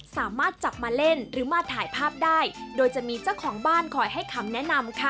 สามารถจับมาเล่นหรือมาถ่ายภาพได้โดยจะมีเจ้าของบ้านคอยให้คำแนะนำค่ะ